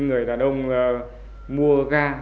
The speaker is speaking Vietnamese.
người đàn ông mua gas